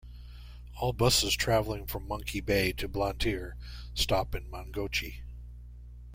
All buses travelling from Monkey Bay to Blantyre stop in Mangochi.